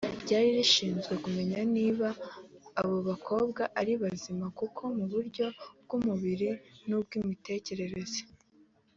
ryri rishinzwe kumeny aniba abo bakobwa ari bazima koko mu buryo bw’umubiri n’ubw’imitekerereze